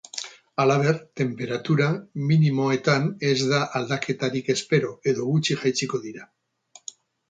Halaber, tenperatura minimoetan ez da aldaketarik espero, edo gutxi jaitsiko dira.